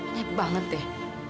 nyeb banget deh